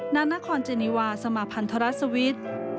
นัดนครเจนีวาสมาภัณฑ์ธรรมรสสวิทธิ์